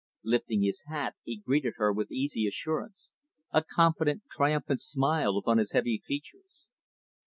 Lifting his hat, he greeted her with easy assurance; a confident, triumphant smile upon his heavy features.